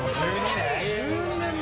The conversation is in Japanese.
１２年前？